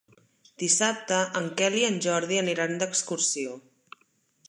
Dissabte en Quel i en Jordi aniran d'excursió.